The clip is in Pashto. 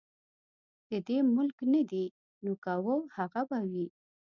د دې ملک نه دي نو که وه هغه به وي.